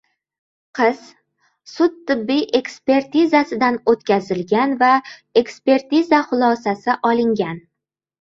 Qiz sud-tibbiy ekspertizasidan o‘tkazilgan va ekpertiza xulosasi olingan